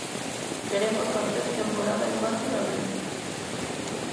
Queremos facer temporada en marzo e abril.